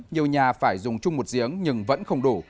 nhiều nhà phải dùng chung một giếng nhưng vẫn không đủ